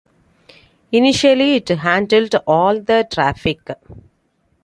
Initially, it handled all the traffic.